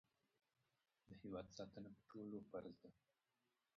د هېواد ساتنه په ټولو فرض ده.